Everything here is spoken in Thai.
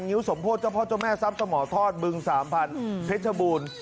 งิ้วสมโพธิ์เจ้าพ่อเจ้าแม่ซับสมอทอดบึงสามพันเพชบูรณ์